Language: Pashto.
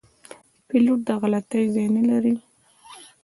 پیلوټ د غلطي ځای نه لري.